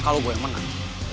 kalau gue yang menang